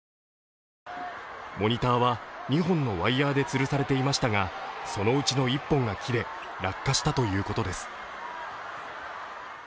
モニターは２本のワイヤーでつるされていましたがそのうちの１本が切れ、落下したということです。